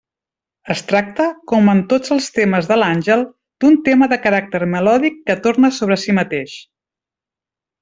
Es tracta, com en tots els temes de l'àngel, d'un tema de caràcter melòdic que torna sobre si mateix.